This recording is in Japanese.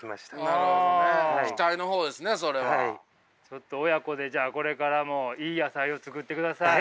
ちょっと親子でこれからもいい野菜を作ってください。